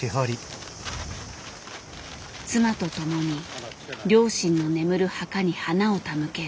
妻と共に両親の眠る墓に花を手向ける。